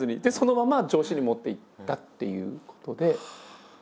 でそのまま上司に持っていったっていうことで。